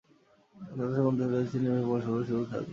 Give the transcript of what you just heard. সদস্যের মধ্যে রয়েছেন নির্বাহী প্রকৌশলী ও সিভিল সার্জন।